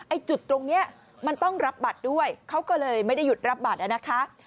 จุดตรงนี้มันต้องรับบัตรด้วยเขาก็เลยไม่ได้หยุดรับบัตรนะคะ